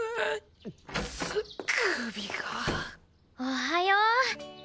おはよう！